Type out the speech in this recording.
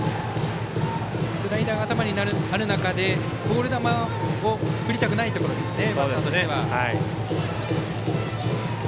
スライダーが頭にある中でボール球を振りたくないところですね。